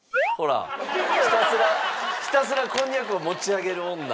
ひたすらひたすらこんにゃくを持ち上げる女。